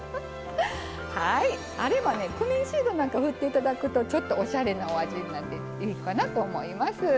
あればクミンシードなんかを振っていただくとおしゃれなお味になっていいかなと思います。